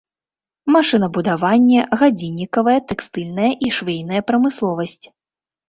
Машынабудаванне, гадзіннікавая, тэкстыльная і швейная прамысловасць.